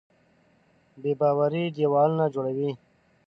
بېباوري دیوالونه جوړوي.